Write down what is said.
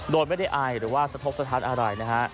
โดยไม่ได้อายหรือว่าสะทกสถานอะไรนะฮะ